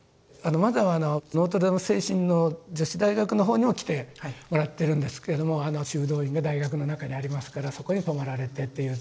マザーはノートルダム清心の女子大学の方にも来てもらってるんですけれども修道院が大学の中にありますからそこに泊まられてっていう。